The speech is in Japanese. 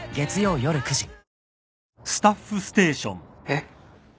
えっ？